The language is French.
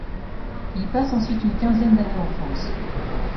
Il passe ensuite une quinzaine d'années en France.